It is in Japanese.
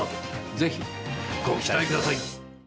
ぜひご期待ください。